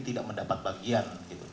tidak mendapat bagian